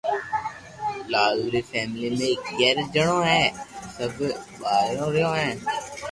لال ري فيملي مي اگياري جڻو ھي سب بآيرو رھيو ھون